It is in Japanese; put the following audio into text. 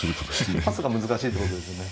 パスが難しいっていうことですよね